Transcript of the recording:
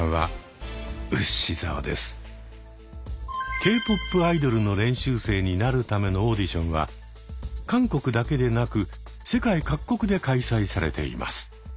Ｋ−ＰＯＰアイドルの練習生になるためのオーディションは韓国だけでなく世界各国で開催されています。